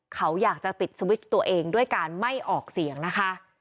เขาอยากจะปิดสวิตช์ตัวเองด้วยการไม่ออกเสียงนะคะ